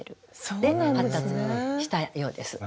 で発達したようです。